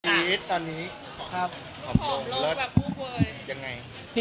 ตอนนี้ของลงเลิศอย่างไร